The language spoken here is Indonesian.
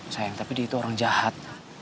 sayang tapi dia itu orang jahat